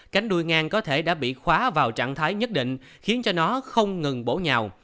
cánh đuôi ngang có thể đã bị khóa vào trạng thái nhất định khiến cho nó không ngừng đổ nhào